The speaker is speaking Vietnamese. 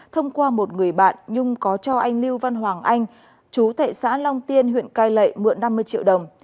thông qua một người bạn nhung có cho anh lưu văn hoàng anh chú tại xã long tiên huyện cai lệ mượn năm mươi triệu đồng